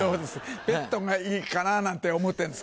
ベッドがいいかな！なんて思ってるんですけどね。